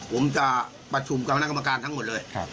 ผมจะประชุมกับคณะกรรมการทั้งหมดเลย